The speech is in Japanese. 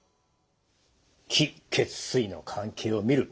気・血・水の関係を見る。